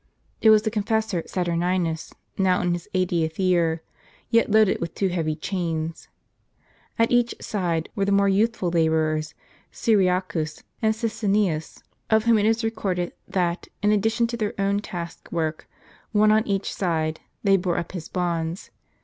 It was the confessor Saturninus, now in his eightieth year, yet loaded with two heavy chains. At each side were the more youthful laborers, Cyriacus and Sisinnius, of whom it is recorded, that, in addition to their own task work, one on each side, they bore up his bonds.